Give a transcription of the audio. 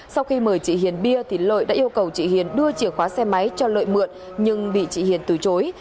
sau khi mời chị hiền bia thì lợi đã yêu cầu chị hiền đưa chìa khóa xe máy cho lợi mượn nhưng bị chị hiền từ chối